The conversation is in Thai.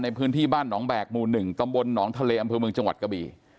ในพื้นที่บ้านหนองแบกหมู่๑ตำบลหนองทะเลอำเภอเมืองจังหวัดกะบี่